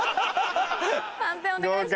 判定お願いします。